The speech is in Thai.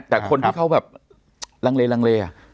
แต่คนที่เขาแบบลังเลลังเล